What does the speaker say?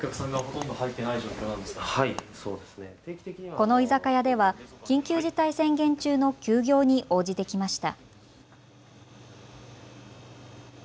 この居酒屋では緊急事態宣言中の休業に応じてきました。